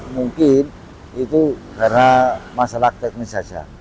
mungkin itu karena masalah teknis saja